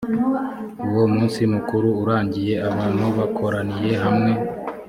uwo munsi mukuru urangiye abantu bakoraniye hamwe